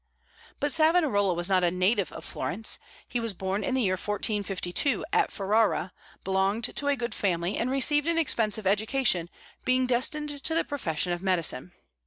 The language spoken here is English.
But Savonarola was not a native of Florence. He was born in the year 1452 at Ferrara, belonged to a good family, and received an expensive education, being destined to the profession of medicine.